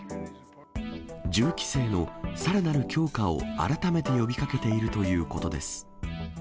銃規制のさらなる強化を改めて呼びかけているということです。